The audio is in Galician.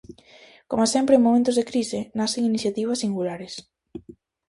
Coma sempre en momentos de crise, nacen iniciativas singulares.